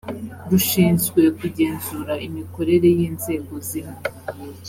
rushinzwe kugenzura imikorere y inzego zimwe